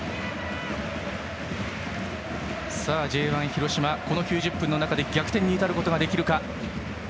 Ｊ１広島、この９０分の中で逆転に至ることができるか。